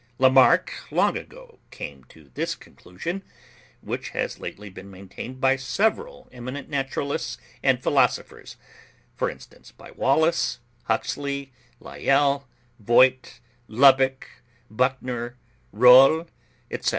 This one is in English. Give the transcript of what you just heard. Lamarck long ago came to this conclusion, which has lately been maintained by several eminent naturalists and philosophers; for instance, by Wallace, Huxley, Lyell, Vogt, Lubbock, Buchner, Rolle, etc.